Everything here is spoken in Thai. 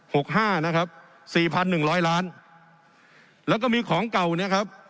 หกห้านะครับสี่พันหนึ่งร้อยล้านแล้วก็มีของเก่าเนี่ยครับ